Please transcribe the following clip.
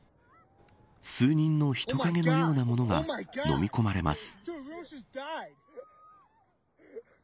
数人の人影のようなものが飲み込まれます。